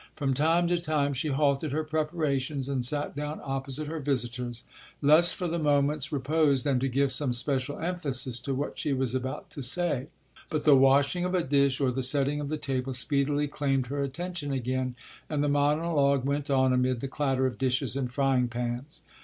From time to time she halted her preparations and sat down opposite her visitors, less for the moments repose than to give some special emphasis to what she was about to say; but the washing of a dish or the setting of the table speedily claimed her attention again, and the monologue went on amid the clatter of dishes and frying pans.